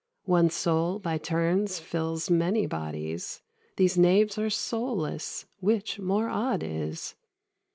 One soul by turns fills many bodies: These knaves are soulless, which more odd is.